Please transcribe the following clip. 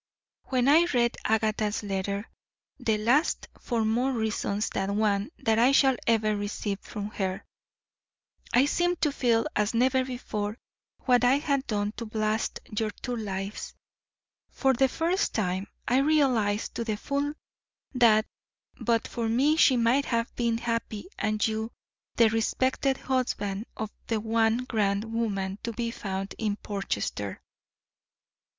When I read Agatha's letter the last for more reasons than one that I shall ever receive from her I seemed to feel as never before what I had done to blast your two lives. For the first time I realised to the full that but for me she might have been happy and you the respected husband of the one grand woman to be found in Portchester.